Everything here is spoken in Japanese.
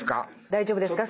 大丈夫ですか？